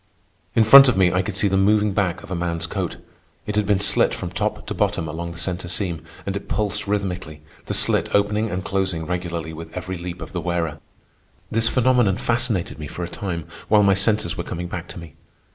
In front of me I could see the moving back of a man's coat. It had been slit from top to bottom along the centre seam, and it pulsed rhythmically, the slit opening and closing regularly with every leap of the wearer. This phenomenon fascinated me for a time, while my senses were coming back to me.